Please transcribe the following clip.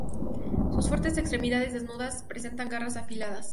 Sus fuertes extremidades desnudas presentan garras afiladas.